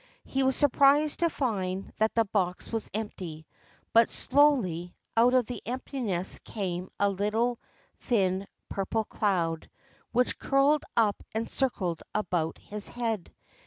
He was surprised to find that the box was empty ; but, slowly, out of the emptiness came a little thin, purple cloud which curled up and circled about his head.